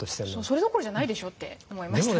それどころじゃないでしょって思いました。